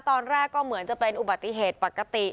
ตอนแรกก็เหมือนจะเป็นอุบัติเหตุปกติ